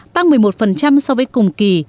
tăng một mươi một so với cùng kỳ